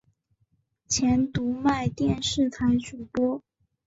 前读卖电视台主播。